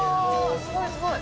すごいすごい。